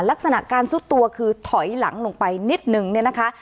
ลักษณะการซุดตัวคือถอยหลังลงไปนิดนึงเนี่ยนะคะ